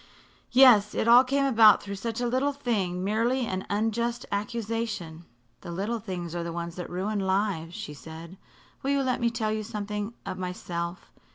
"Yes. It all came about through such a little thing merely an unjust accusation." "The little things are the ones that ruin lives," she said. "Will you let me tell you something of myself?